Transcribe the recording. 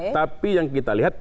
tapi yang kita lihat